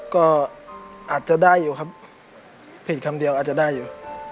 ก็อาจจะได้อยู่ครับผิดคำเดียวอาจจะได้อยู่